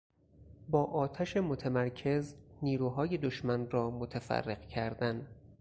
با آتش متمرکز نیروهای دشمن را متفرق کردن